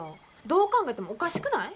どう考えてもおかしくない？